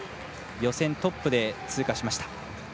予選トップで通過しました。